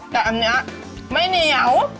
แต่อันนี้ไม่เหนียว